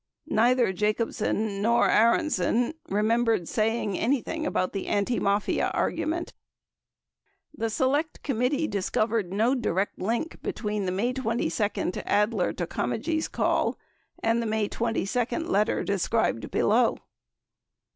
26 Neither Jacobsen nor Eisenberg remembered saying anything about the anti Mafia argument. The Select Committee discovered no direct link between the May 22 Adler to Comegys call and the May 22 letter described below.